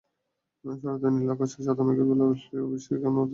শরতের নীল আকাশে সাদা মেঘের ভেলা ভাসলেও বৃষ্টি এখনো অতর্কিতে হানা দিচ্ছে।